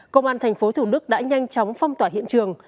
công an thành phố thủ đức đã nhanh chóng phong tỏa hiện trường